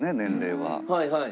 はいはい。